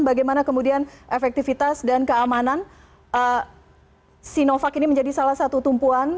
bagaimana kemudian efektivitas dan keamanan sinovac ini menjadi salah satu tumpuan